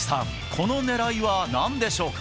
この狙いは何でしょうか？